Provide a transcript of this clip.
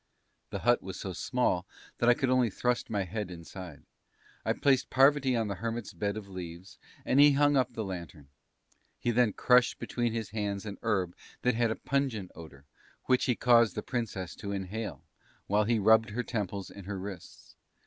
The hut was so small that I could only thrust my head inside. I placed Parvati on the Hermit's bed of leaves, and he hung up the lantern. He then crushed between his hands an herb that had a pungent odour, which he caused the Princess to inhale, while he rubbed her temples and her wrists.